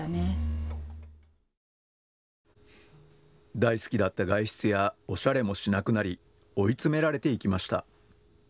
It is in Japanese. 大好きだった外出やおしゃれもしなくなり、追い詰められていきました。